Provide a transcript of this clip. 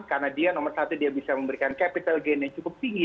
karena dia nomor satu dia bisa memberikan capital gain yang cukup tinggi